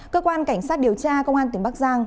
cơ quan cảnh sát điều tra công an tỉnh bắc giang